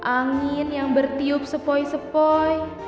angin yang bertiup sepoi sepoi